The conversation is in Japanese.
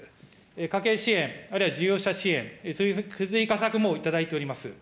家計支援、あるいは事業支援、不随下策も頂いております。